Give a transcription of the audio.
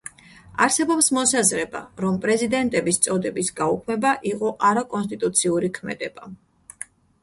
არსებობს მოსაზრება, რომ პრეზიდენტების წოდების გაუქმება იყო არაკონსტიტუციური ქმედება.